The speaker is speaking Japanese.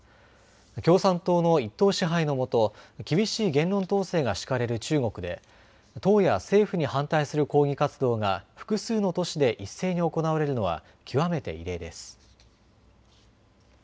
共産党の１党支配のもと厳しい言論統制が敷かれる中国で党や政府に反対する抗議活動が複数の都市で一斉に行われるのは極めて異例です。